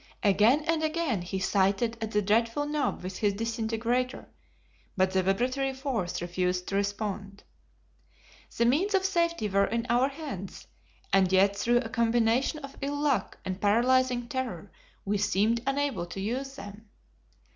Again and again he sighted at the dreadful knob with his disintegrator, but the vibratory force refused to respond. The means of safety were in our hands, and yet through a combination of ill luck and paralyzing terror we seemed unable to use them.